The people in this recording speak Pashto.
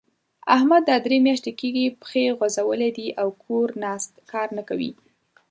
احمد دا درې مياشتې کېږي؛ پښې غځولې دي او کور ناست؛ کار نه کوي.